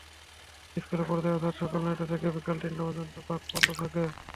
স্কুলের সময় অর্থাৎ সকাল নয়টা থেকে বিকেল তিনটা পর্যন্ত পার্ক বন্ধ থাকে।